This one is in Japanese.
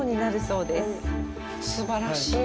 おぉ、すばらしい！